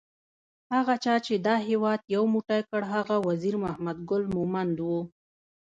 هغه چا چې دا هیواد یو موټی کړ هغه وزیر محمد ګل مومند وو